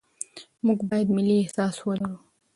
موږ باید ملي احساس ولرو.